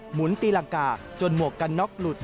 หุนตีรังกาจนหมวกกันน็อกหลุด